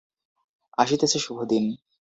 আসিতেছে শুভদিন।